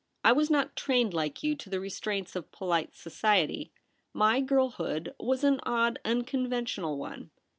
I was not trained like you to the restraints of polite society. My girlhood was an odd unconventional one.'